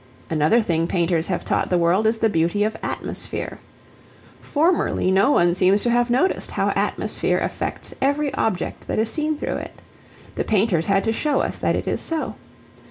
Another thing painters have taught the world is the beauty of atmosphere. Formerly no one seems to have noticed how atmosphere affects every object that is seen through it. The painters had to show us that it is so.